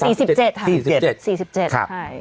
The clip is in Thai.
สี่สิบเจ็ดสี่สิบเจ็ดสี่สิบเจ็ดครับ